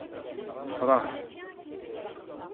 Fṛeḥ!